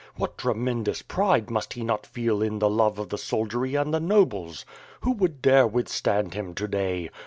What tremendous pride must he not feel in the love of the soldiery of the nobles! Who would dare withstand him to day?